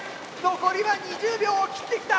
残りは２０秒を切ってきた！